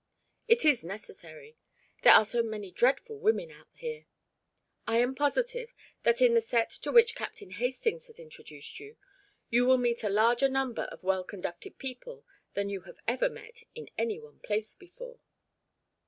It is necessary: there are so many dreadful women out here. I am positive that in the set to which Captain Hastings has introduced you, you will meet a larger number of well conducted people than you have ever met in any one place before."